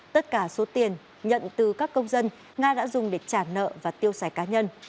tất cả số tiền nhận từ các công dân nga đã dùng để trả nợ và tiêu xài cá nhân